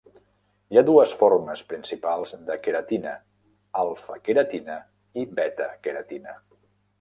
Hi ha dues formes principals de queratina, alfa-queratina i beta-queratina.